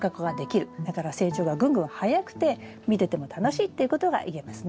だから成長がぐんぐん早くて見てても楽しいっていうことが言えますね。